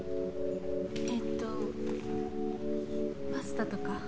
えっとパスタとか？